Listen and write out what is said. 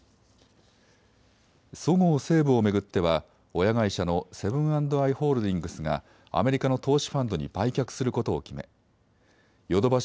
そごう・西武を巡っては親会社のセブン＆アイ・ホールディングスがアメリカの投資ファンドに売却することを決めヨドバシ